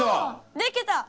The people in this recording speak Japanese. できた！